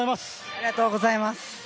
ありがとうございます。